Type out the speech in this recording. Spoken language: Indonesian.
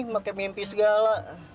pake mimpi segala